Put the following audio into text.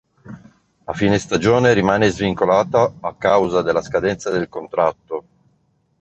A fine stagione rimane svincolato a causa della scadenza del contratto.